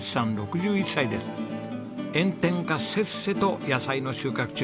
炎天下せっせと野菜の収穫中。